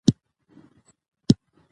د غوړو خوړو څخه ډډه وکړئ.